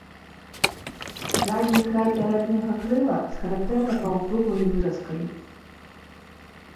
Задні край пярэдняга крыла з характэрнай паўкруглай выразкай.